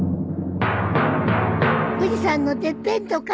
富士山のてっぺんとか。